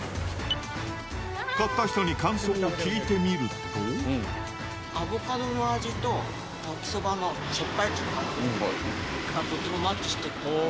買った人に感想を聞いてみるアボカドの味と、焼きそばのしょっぱさ、とてもマッチしてる。